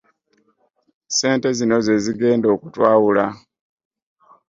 ssente zino zezigenda okutwawula.